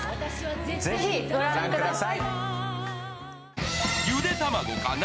ぜひご覧ください。